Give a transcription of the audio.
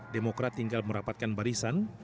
demokrat tinggal merapatkan barisan